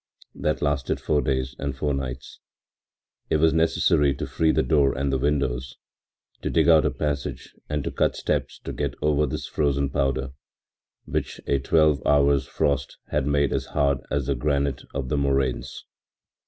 That lasted four days and four nights. It was necessary to free the door and the windows, to dig out a passage and to cut steps to get over this frozen powder, which a twelve hours' frost had made as hard as the granite of the moraines.